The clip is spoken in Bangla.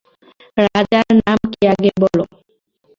রাজার নাম কী আগে বলো।